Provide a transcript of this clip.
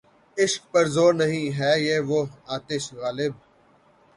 عشق پر زور نہیں، ہے یہ وہ آتش غالب